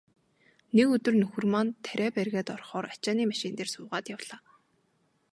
Нэг өдөр нөхөр маань тариа бригад орохоор ачааны машин дээр суугаад явлаа.